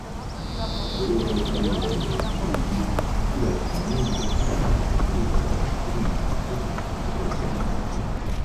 Dopo la caduta del fascismo divenne uno dei principali dirigenti del rinato partito socialista.